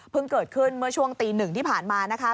เกิดขึ้นเมื่อช่วงตีหนึ่งที่ผ่านมานะคะ